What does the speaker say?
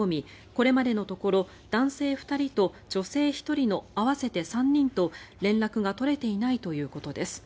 これまでのところ男性２人と女性１人の合わせて３人と連絡が取れていないということです。